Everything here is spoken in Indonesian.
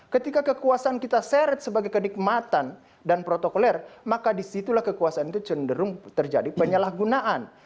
ketika kekuasaan kita seret sebagai kenikmatan dan protokoler maka disitulah kekuasaan itu cenderung terjadi penyalahgunaan